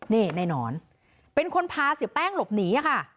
นี่นายหนอนเป็นคนพาเสียแป้งหลบหนีค่ะ